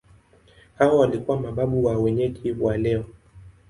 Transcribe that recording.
Hawa walikuwa mababu wa wenyeji wa leo.